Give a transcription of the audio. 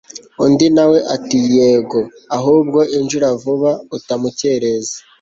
undi nawe ati yego ahubwo injira vuba utamukereza